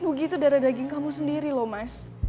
nugi itu darah daging kamu sendiri loh mas